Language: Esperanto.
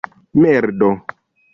merdo